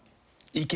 意見